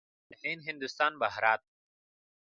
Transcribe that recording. هند، هندوستان، بهارت.